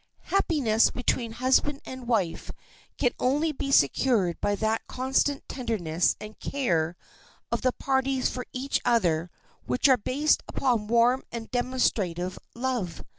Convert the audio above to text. Happiness between husband and wife can only be secured by that constant tenderness and care of the parties for each other which are based upon warm and demonstrative love.